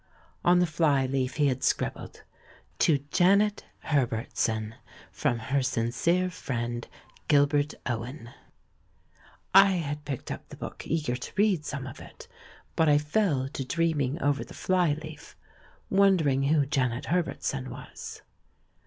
On the fly leaf he had scribbled, "To Janet Herbertson, from her sincere friend, Gilbert Owen." I had picked up THE RECONCILIATION 371 the book eager to read some of it, but I fell to dreaming over the fly leaf, wondering who Janet Herbertson was.